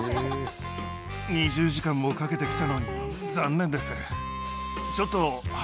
２０時間もかけて来たのに残念です。